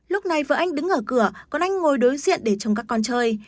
lúc này vợ anh đứng ở cửa còn anh ngồi đối diện để chồng các con chơi